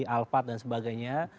al fat dan sebagainya